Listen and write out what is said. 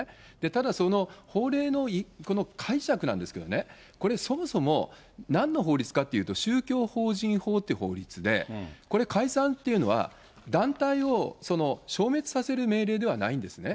ただその法令のこの解釈なんですけどね、これ、そもそもなんの法律かっていうと、宗教法人法っていう法律で、これ解散というのは、団体を消滅させる命令ではないんですね。